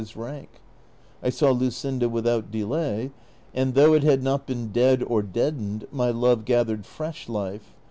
185 his rank ; I saw Luscinda without dehiy, and, though it had not been dead or deadened, my love gathered fresh life.